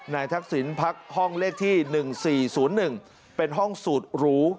นายทักษิณภักดิ์ห้องเลขที่๑๔๐๑เป็นห้องสูตรรู้